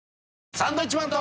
サンドウィッチマンと。